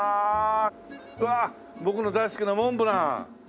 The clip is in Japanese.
うわっ僕の大好きなモンブラン！